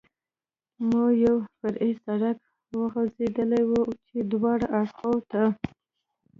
مو یو فرعي سړک غځېدلی و، چې دواړو اړخو ته.